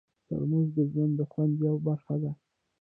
ترموز د ژوند د خوند یوه برخه ده.